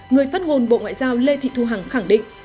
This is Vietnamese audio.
người phát ngôn bộ ngoại giao lê thị thu hằng khẳng định